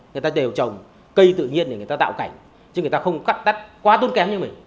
người ta đều trồng cây tự nhiên để người ta tạo cảnh chứ người ta không cắt đắt quá tốn kém như mình